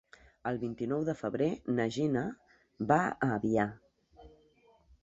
El vint-i-nou de febrer na Gina va a Avià.